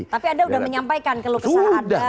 tapi anda sudah menyampaikan kalau kesalahan anda